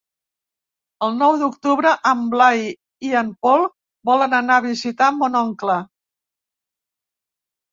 El nou d'octubre en Blai i en Pol volen anar a visitar mon oncle.